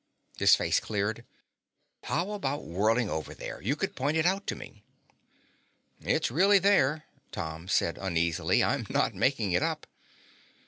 His face cleared. "How about whirling over there? You could point it out to me." "It's really there," Tom said uneasily. "I'm not making it up."